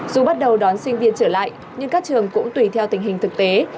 dù bắt đầu đón sinh viên trở lại nhưng các trường cũng tùy theo tình hình thực tế